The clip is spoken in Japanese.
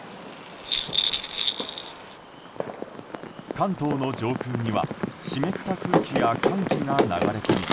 関東の上空には湿った空気や寒気が流れ込み